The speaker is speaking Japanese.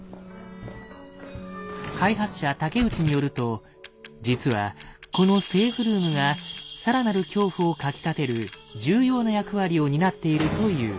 開発者竹内によると実はこのセーフルームがさらなる恐怖をかきたてる重要な役割を担っているという。